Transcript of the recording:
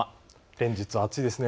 連日、暑いですね。